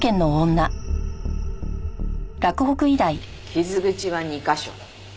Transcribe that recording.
傷口は２カ所。